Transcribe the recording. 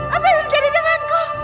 apa yang terjadi denganku